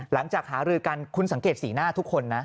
หลังจากหารือกันคุณสังเกตสีหน้าทุกคนนะ